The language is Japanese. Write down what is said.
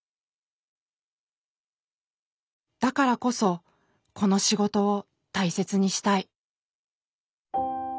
だからこそこの仕事を大切にしたい。